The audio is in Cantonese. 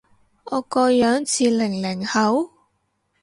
我個樣似零零後？